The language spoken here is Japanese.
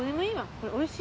これおいしい。